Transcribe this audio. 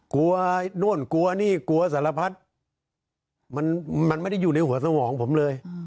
กลัวโน่นกลัวนี่กลัวสารพัดมันไม่ได้อยู่ในหัวสมองผมเลย